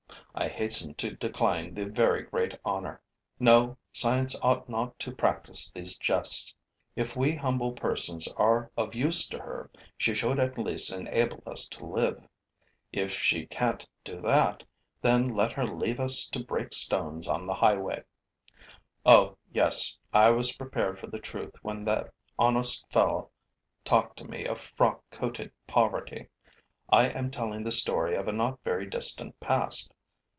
I hastened to decline the very great honor. No, science ought not to practice these jests. If we humble persons are of use to her, she should at least enable us to live. If she can't do that, then let her leave us to break stones on the highway. Oh, yes, I was prepared for the truth when that honest fellow talked to me of frock coated poverty! I am telling the story of a not very distant past.